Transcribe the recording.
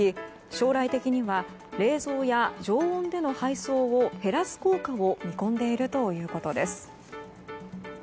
将来的には冷蔵や常温での配送を減らす効果を見込んでいるということです。